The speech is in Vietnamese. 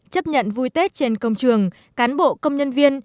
chấp nhận vui tết trên công trường cán bộ công nhân viên